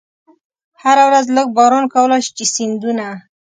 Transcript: هره ورځ لږ باران کولای شي چې سیندونه.